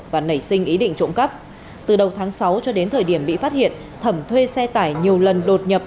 và nảy sinh ý định trộm cắp từ đầu tháng sáu cho đến thời điểm bị phát hiện thẩm thuê xe tải nhiều lần đột nhập